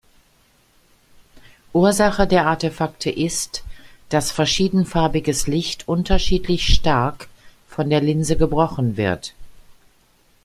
Ursache der Artefakte ist, dass verschiedenfarbiges Licht unterschiedlich stark von der Linse gebrochen wird.